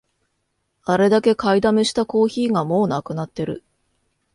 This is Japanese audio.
あれだけ買いだめしたコーヒーがもうなくなってる